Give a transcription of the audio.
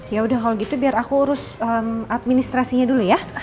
ya udah kalau gitu biar aku urus administrasinya dulu ya